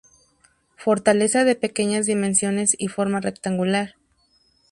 Fortaleza de pequeñas dimensiones y forma rectangular.